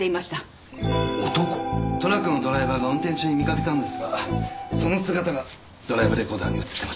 トラックのドライバーが運転中に見かけたのですがその姿がドライブレコーダーに映ってました。